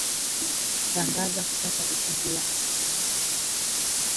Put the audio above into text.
tangaza kupata ushindi wa asilimia themanini